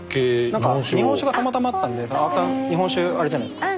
なんか日本酒がたまたまあったんで青木さん日本酒あれじゃないですか。